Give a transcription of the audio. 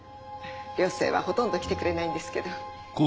寮生はほとんど来てくれないんですけど。